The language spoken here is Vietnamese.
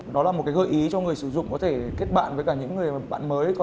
đó là một cái gợi ý cho người sử dụng có thể kết bạn với cả những người bạn mới